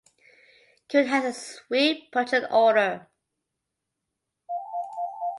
Carene has a sweet and pungent odor.